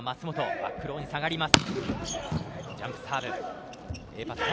バックローに下がります。